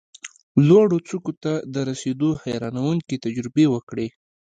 لوړو څوکو ته د رسېدو حیرانوونکې تجربې وکړې،